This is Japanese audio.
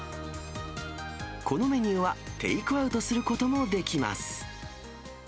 このメニューは、テイクアウトすることもできます。